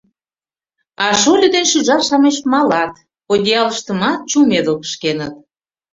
А шольо ден шӱжар-шамыч малат, одеялыштымат чумедыл кышкеныт.